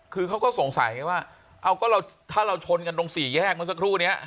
คือเขาก็สงสัยว่าถ้าเราชนกันตรง๔แยกมันสักครู่นี้